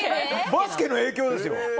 バスケの影響ですよ！